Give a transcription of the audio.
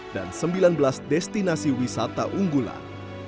dan sembilan belas destinasi wisata unggulan